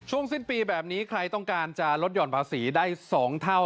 สิ้นปีแบบนี้ใครต้องการจะลดหย่อนภาษีได้๒เท่า